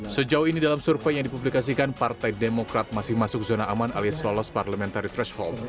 sejauh ini dalam survei yang dipublikasikan partai demokrat masih masuk zona aman alias lolos parliamentary threshold